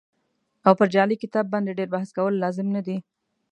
او پر جعلي کتاب باندې ډېر بحث کول لازم نه دي.